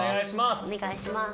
おねがいします。